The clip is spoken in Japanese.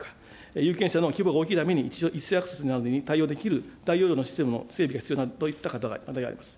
有権者の規模が大きいために、一斉アクセスなどに対応できるの整備が必要な、こういった課題があります。